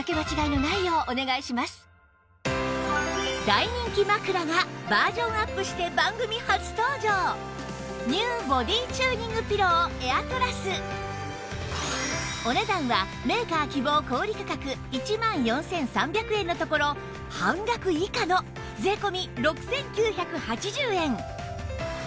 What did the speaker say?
大人気枕がお値段はメーカー希望小売価格１万４３００円のところ半額以下の税込６９８０円